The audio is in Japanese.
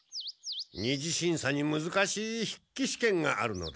２次審査にむずかしい筆記試験があるのだ。